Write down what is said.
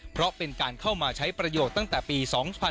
เพราะเป็นการเข้ามาใช้ประโยชน์ตั้งแต่ปี๒๕๖๒